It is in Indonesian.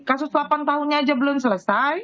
kasus delapan tahunnya aja belum selesai